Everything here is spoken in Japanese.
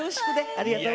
ありがとう。